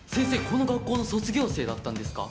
この学校の卒業生だったんですか？